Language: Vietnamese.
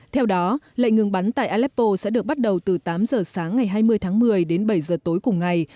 theo đó lệnh ngừng bắn tại aleppo sẽ được bắt đầu từ tám giờ sáng ngày hai mươi tháng một mươi đến bảy giờ tối cùng ngày